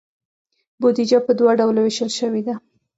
بودیجه په دوه ډوله ویشل شوې ده.